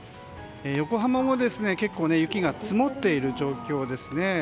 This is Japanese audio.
横浜も結構雪が積もっている状況ですね。